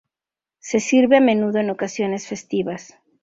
Se sirve a menudo en ocasiones festivas.